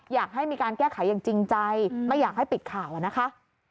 อยากให้มีการแก้ไขอย่างจริงใจไม่อยากให้ปิดข่าวนะคะ